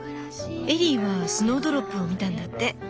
エリーはスノードロップを見たんだって。